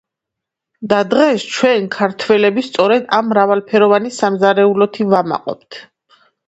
და დღეს, ჩვენ ქართველები სწორედ ამ მრავალფეროვანი სამზარეულოთი ვამაყობთ.